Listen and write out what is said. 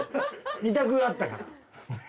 ２択あったから。